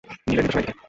নীলের নির্দেশনা এদিকে।